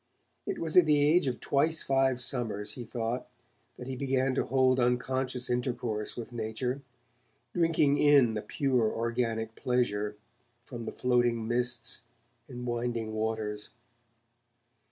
It was at the age of twice five summers, he thought, that he began to hold unconscious intercourse with nature, 'drinking in a pure organic pleasure' from the floating mists and winding waters.